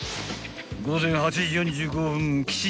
［午前８時４５分吉祥寺］